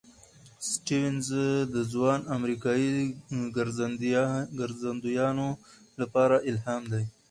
سټيونز د ځوانو امریکايي ګرځندویانو لپاره الهام شو.